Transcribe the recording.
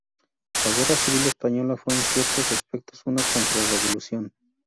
La Guerra Civil española fue, en ciertos aspectos, una contrarrevolución.